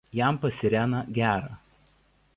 Jam pas Ireną gera.